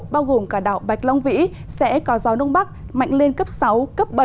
bao gồm cả đảo bạch long vĩ sẽ có gió đông bắc mạnh lên cấp sáu cấp bảy